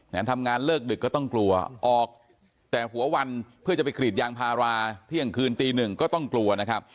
ทำงานเลิกดึกก็ต้องกลัวออกแต่หัววันเพื่อจะไปกรีดยางพาราเที่ยงคืนตีหนึ่งก็ต้องกลัวนะครับ